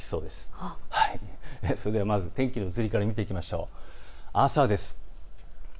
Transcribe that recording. それでは、まず天気の移り変わりから見ていきましょう。